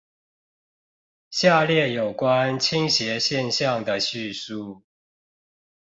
下列有關傾斜現象的敘述